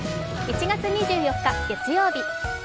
１月２４日、月曜日。